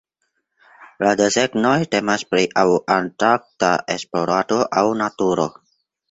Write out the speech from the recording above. La desegnoj temas pri aŭ antarkta esplorado aŭ naturo.